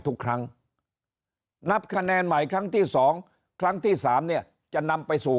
ทุกครั้งนับคะแนนใหม่ครั้งที่สองครั้งที่๓เนี่ยจะนำไปสู่